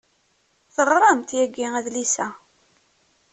Teɣramt yagi adlis-a.